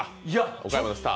岡山のスター。